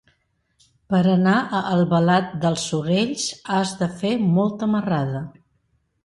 Per anar a Albalat dels Sorells has de fer molta marrada.